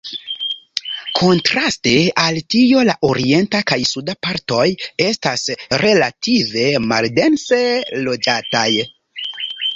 Kontraste al tio la orienta kaj suda partoj estas relative maldense loĝataj.